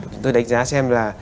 chúng tôi đánh giá xem là